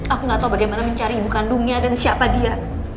aku nggak tahu bagaimana mencari ibu kandungnya dan siapa dia